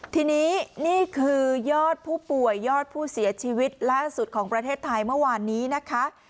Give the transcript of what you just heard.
ทีนี้นี่คือยอดผู้ป่วยยอดผู้เสียชีวิตล่าสุดของประเทศไทยเมื่อวานนี้นะคะ